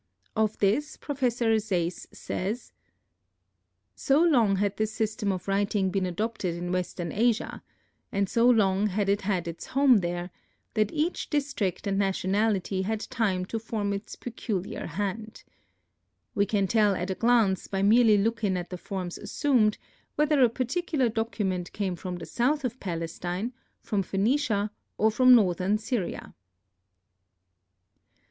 Of this, Prof. Sayce says: "So long had this system of writing been adopted in western Asia, and so long had it had its home there, that each district and nationality had time to form its peculiar hand. We can tell at a glance by merely looking at the forms assumed, whether a particular document came from the south of Palestine, from Phœnicia or from northern Syria."